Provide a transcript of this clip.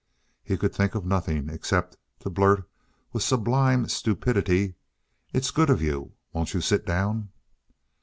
He could think of nothing except to blurt with sublime stupidity: "It's good of you. Won't you sit down?"